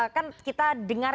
kan kita dengar